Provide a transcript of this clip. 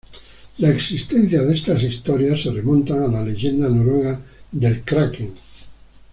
La existencia de estas historias se remontan a la leyenda noruega del kraken.